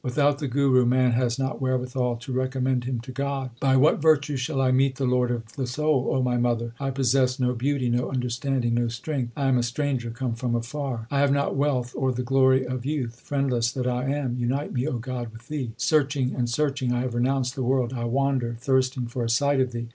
Without the Guru man has not wherewithal to recommend him to God : By what virtue shall I meet the Lord of the soul, 1 O my mother ? 1 possess no beauty, no understanding, no strength ; I am a stranger come from afar. 1 The speaker is supposed to be a woman. HYMNS OF GURU ARJAN 151 I have not wealth or the glory of youth ; friendless that I am, unite me, O God, with Thee. Searching and searching I have renounced the world ; I wander thirsting for a sight of Thee.